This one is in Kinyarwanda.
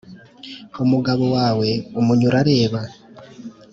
umugabo wawe, umunyurareba